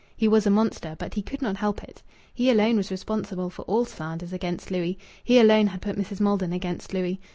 He was a monster, but he could not help it. He alone was responsible for all slanders against Louis. He alone had put Mrs. Maldon against Louis.